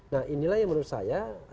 nah inilah yang menurut saya